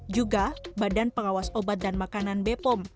juga badan pengawas obat dan makanan bepom